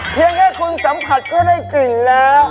เพียงแค่คุณสัมผัสก็ได้กลิ่นแล้ว